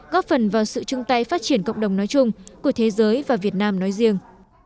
góp phần vào sự trưng tay phát triển cộng đồng nói chung của thế giới và việt nam nói riêng